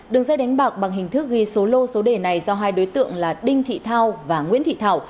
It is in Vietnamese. đường dây đánh bạc bằng hình thức ghi số lô số đề này do hai đối tượng là đinh thị thao và nguyễn thị thảo